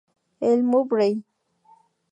El Muy Rev.